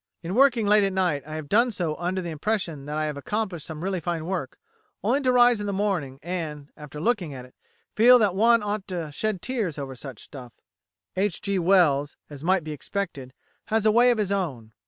In working late at night I have done so under the impression that I have accomplished some really fine work, only to rise in the morning and, after looking at it, feel that one ought to shed tears over such stuff."[133:C] H. G. Wells, as might be expected, has a way of his own.